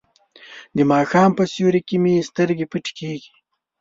د ماښام په سیوري کې مې سترګې پټې کیږي.